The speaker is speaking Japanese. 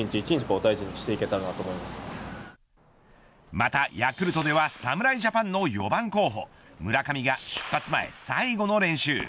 またヤクルトでは侍ジャパンの４番候補村上が出発前、最後の練習。